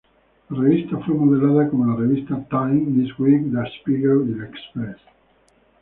La revista fue modelada como las revistas "Time", "Newsweek", "Der Spiegel" y "L'Express.